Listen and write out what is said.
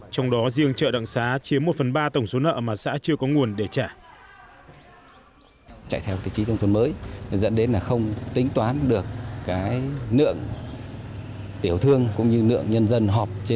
trong đó riêng chợ đặng xá chiếm một phần ba tổng số nợ mà xã chưa có nguồn để trả